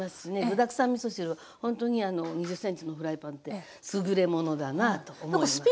具だくさんみそ汁はほんとに２０ｃｍのフライパンってすぐれものだなと思います。